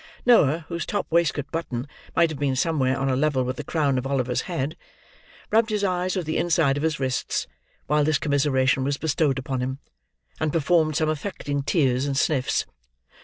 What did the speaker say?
Noah, whose top waistcoat button might have been somewhere on a level with the crown of Oliver's head, rubbed his eyes with the inside of his wrists while this commiseration was bestowed upon him, and performed some affecting tears and sniffs.